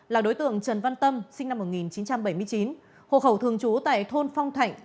là đối tượng trần văn tâm sinh năm một nghìn chín trăm bảy mươi chín hộ khẩu thường trú tại thôn phong thạnh